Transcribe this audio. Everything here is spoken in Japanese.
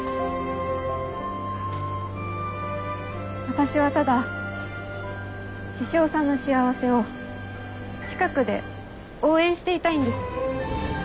私はただ獅子王さんの幸せを近くで応援していたいんです。